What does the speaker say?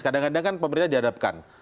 kadang kadang kan pemerintah dihadapkan